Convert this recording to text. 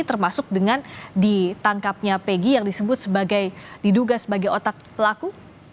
termasuk dengan ditangkapnya peggy yang disebut sebagai diduga sebagai otak pelaku